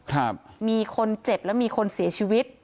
ครับมีคนเจ็บและมีคนเสียชีวิต